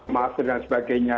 maksimal dan sebagainya